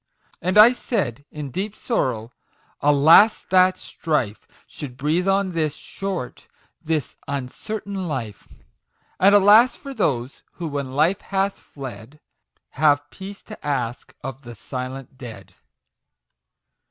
And I said, in deep sorrow, " Alas that strife Should breathe on this short this uncertain life ! And, alas for those who, when Life hath fled, Have Peace to ask of the silent Dead